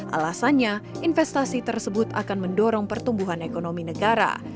alasannya investasi tersebut akan mendorong pertumbuhan ekonomi negara